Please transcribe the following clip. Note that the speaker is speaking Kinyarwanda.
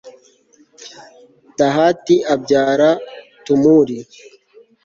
tahati abyara tumuri